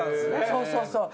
そうそうそう。